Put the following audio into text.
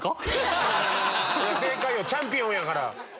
正解よチャンピオンやから。